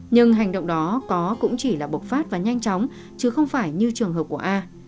nhưng hành động đó có cũng chỉ là bộc phát và nhanh chóng chứ không phải như trường hợp của a